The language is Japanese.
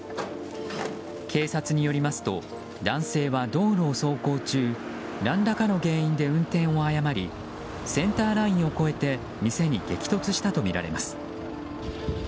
警察によりますと男性は道路を走行中何らかの原因で運転を誤りセンターラインを越えて店に激突したとみられます。